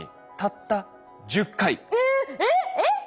えっえっ？